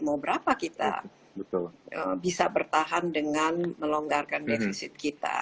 mau berapa kita bisa bertahan dengan melonggarkan defisit kita